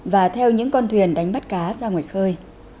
và theo những con thuyền đánh bắt cá ra ngoài khơi